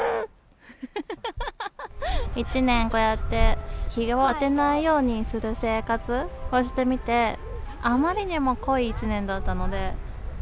１年こうやって、日を当てないようにする生活をしてみて、あまりにも濃い１年だったので。